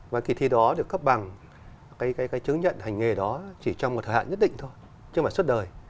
và kỳ thi đó được cấp bằng cái chứng nhận hành nghề đó chỉ trong một thời hạn nhất định thôi chứ mà suốt đời